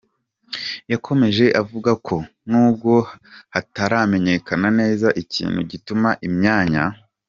Yakomeje avuga ko nubwo hataramenyekana neza ikintu gituma imyanya.